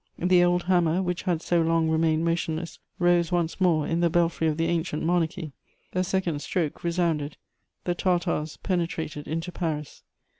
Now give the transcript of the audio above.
the old hammer, which had so long remained motionless, rose once more in the belfry of the ancient monarchy: a second stroke resounded, the Tartars penetrated into Paris.